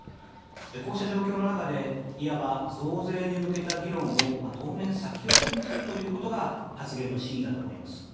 こうした状況の中でいわば増税に向けた議論を当面、先送りにするということが発言の真意だと思います。